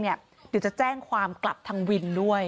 เดี๋ยวจะแจ้งความกลับทางวินด้วย